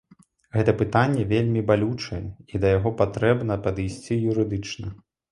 Гэта пытанне вельмі балючае, і да яго патрэбна падысці юрыдычна.